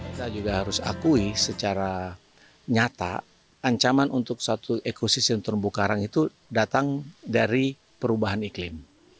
kita juga harus akui secara nyata ancaman untuk suatu ekosistem terumbu karang itu datang dari perubahan iklim